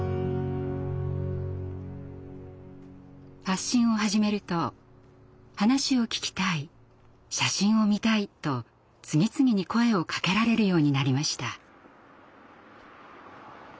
発信を始めると「話を聞きたい」「写真を見たい」と次々に声をかけられるようになりました。